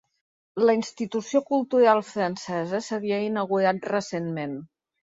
La institució cultural francesa s'havia inaugurat recentment.